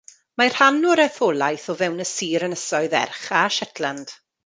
Mae rhan o'r etholaeth o fewn y sir Ynysoedd Erch a Shetland.